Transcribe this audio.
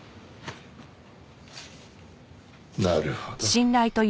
なるほど。